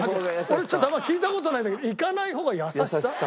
俺ちょっとあんまり聞いた事ないんだけどいかない方が優しさ？